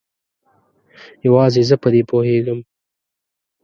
یوازې زه په دې پوهیږم